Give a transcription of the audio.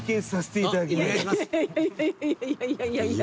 いやいやいやいやいやいや。